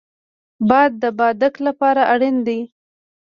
باد د بادک لپاره اړین دی